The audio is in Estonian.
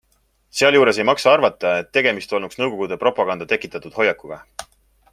Sealjuures ei maksa arvata, et tegemist olnuks nõukogude propaganda tekitatud hoiakuga.